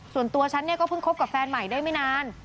ส่วนตัวฉันเนี่ยก็เพิ่งคบกับแฟนใหม่ได้ไม่นาน